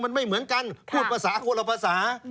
มันไม่เหมือนกันพูดภาษาคนละภาษา